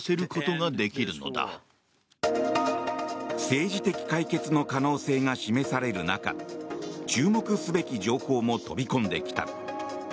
政治的解決の可能性が示される中注目すべき情報も飛び込んできた。